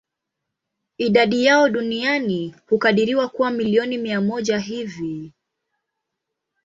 Idadi yao duniani hukadiriwa kuwa milioni mia moja hivi.